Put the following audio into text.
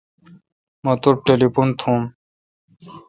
مہ توٹھ ٹلیفون تھوم۔